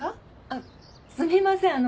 あっすみません。